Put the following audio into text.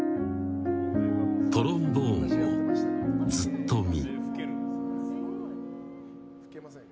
トロンボーンを、ずっとみ。